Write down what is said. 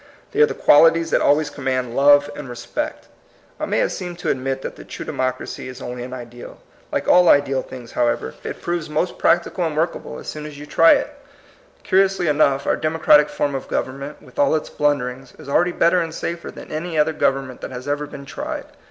They are the qualities that always command love and respect. I may have seemed to admit that the true democracy is only an ideal. Like all ideal things, however, it proves most 146 THE COMING PEOPLE. practical and workable as soon as you try it. Curiously enough, our democratic form of government, with all its blunderings, is already better and safer than any other government that has ever been tried.